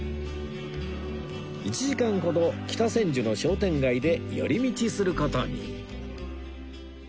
１時間ほど北千住の商店街で寄り道する事に